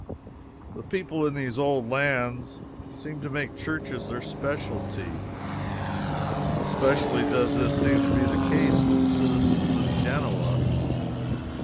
The people in these old lands seem to make churches their specialty. Especially does this seem to be the case with the citizens of Genoa.